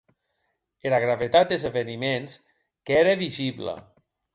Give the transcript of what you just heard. Era gravetat des eveniments qu’ère visibla.